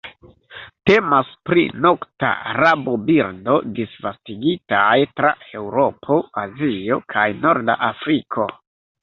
Temas pri nokta rabobirdo, disvastigitaj tra Eŭropo, Azio kaj norda Afriko.